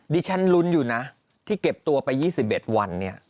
ดิฉันลุ้นอยู่นะที่เก็บตัวไป๒๑วันเนี่ย